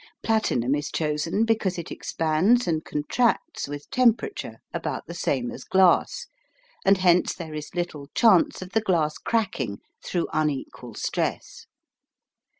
Platinum is chosen because it expands and contracts with temperature about the same as glass, and hence there is little chance of the glass cracking through unequal stress.